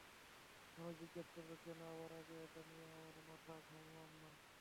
মানুষ জিজ্ঞেস করবে কেন আরো আগে এটা নিয়ে আমরা মাথা ঘামালাম না!